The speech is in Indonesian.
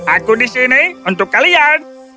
aku di sini untuk kalian